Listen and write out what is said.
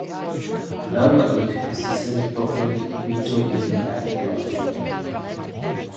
Dove Creek is the self-proclaimed Pinto Bean Capital of the World.